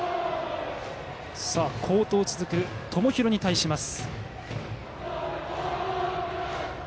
好投続く、友廣に対します。